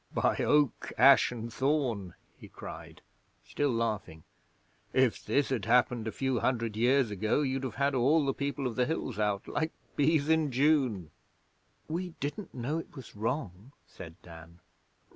'By Oak, Ash, and Thorn!' he cried, still laughing. 'If this had happened a few hundred years ago you'd have had all the People of the Hills out like bees in June!' 'We didn't know it was wrong,' said Dan.